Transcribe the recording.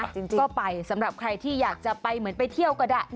จริงก็ไปสำหรับใครที่อยากจะไปเหมือนไปเที่ยวก็ได้